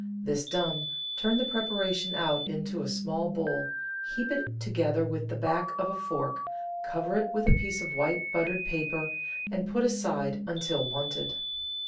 This done, turn the preparation out into a small bowl, heap it together with the back of a fork, cover it with a piece of white, buttered paper, and put aside until wanted.